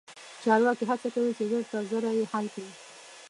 چارواکي هڅه کوي چې ژر تر ژره یې حل کړي.